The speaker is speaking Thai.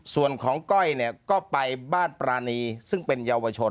ส่วนของก้อยเนี่ยก็ไปบ้านปรานีซึ่งเป็นเยาวชน